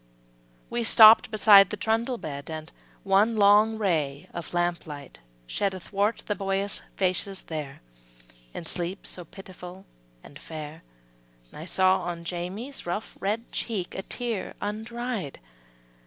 '' We stopped beside the trundle bed And one long ray of lamp light shed Athwart the boyish faces there, In sleep so pitiful and fair; I saw on Jamie's rough, red cheek, A tear undried.